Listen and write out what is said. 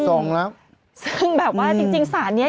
ต้องไปทุบแล้วอ่ะ